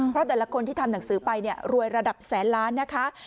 เพราะแต่ละคนที่ทำหนังสือไปเนี่ยรวยระดับแสนล้านนะคะ